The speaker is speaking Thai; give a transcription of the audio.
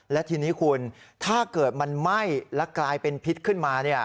และทีนี้คุณถ้าเกิดมันไหม้และกลายเป็นพิษขึ้นมา